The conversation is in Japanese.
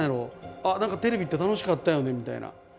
あっ何かテレビって楽しかったよねみたいな。